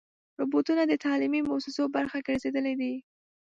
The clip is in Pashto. روبوټونه د تعلیمي مؤسسو برخه ګرځېدلي دي.